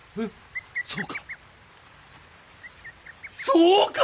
そうか。